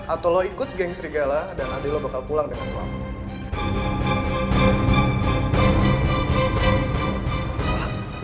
atau lu ikut geng serigala dan ade lu bakal pulang dengan selamat